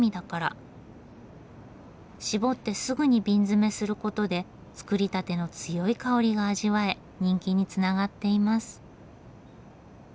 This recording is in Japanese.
搾ってすぐに瓶詰めすることで造りたての強い香りが味わえ人気につながっています。